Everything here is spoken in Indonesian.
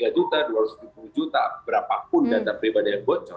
tiga juta dua ratus tujuh puluh juta berapapun data pribadi yang bocor